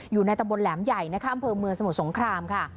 อยู่ในตำบลแหลมใหญ่นะคะอำเภอเมืองสมุทรสงครามค่ะ